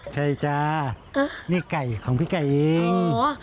ใช่จ้านี่ไก่ของพี่ไก่เอง